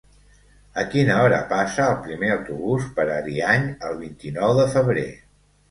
A quina hora passa el primer autobús per Ariany el vint-i-nou de febrer?